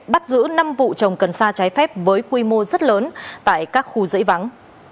bắt giữ năm vụ trồng cần sa trái phép với quy mô rất lớn tại các khu dãy vắng